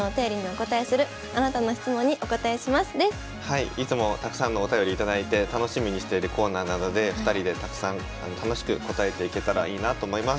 いつもたくさんのお便り頂いて楽しみにしているコーナーなので２人でたくさん楽しく答えていけたらいいなと思います。